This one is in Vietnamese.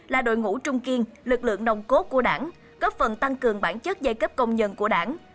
là đội ngũ trung kiên lực lượng nồng cốt của đảng góp phần tăng cường bản chất giai cấp công nhân của đảng